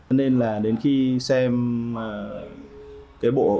cho nên là đến khi xem cái bộ